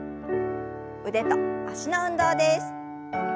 腕と脚の運動です。